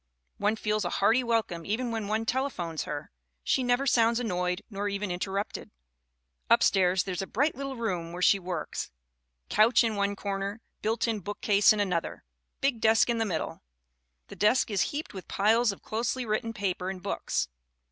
One feels a hearty welcome even when one telephones her. She never sounds annoyed, nor even interrupted." Upstairs there's a bright little room where she works. Couch in one corner, built in bookcase in an other, big desk in the middle. The desk is heaped with piles of closely written paper and books.